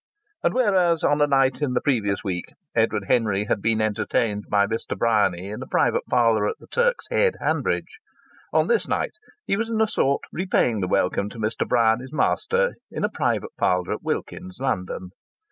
And whereas on a night in the previous week Edward Henry had been entertained by Mr. Bryany in a private parlour at the Turk's Head, Hanbridge, on this night he was in a sort repaying the welcome to Mr. Bryany's master in a private parlour at Wilkins's, London.